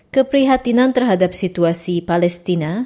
keprihatinan terhadap situasi palestina